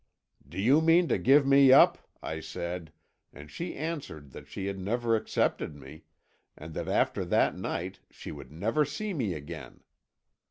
'Do you mean to give me up?' I said, and she answered that she had never accepted me, and that after that night she would never see me again.